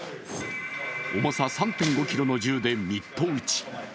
重さ３．５ｋｇの銃でミット打ち。